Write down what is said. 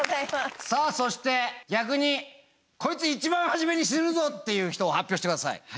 さあそして逆にこいつ一番初めに死ぬぞっていう人を発表してください。